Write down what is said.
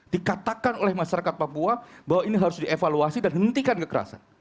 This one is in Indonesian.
dikatakan oleh masyarakat papua bahwa ini harus dievaluasi dan hentikan kekerasan